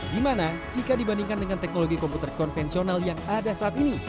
gimana jika dibandingkan dengan teknologi komputer konvensional yang ada saat ini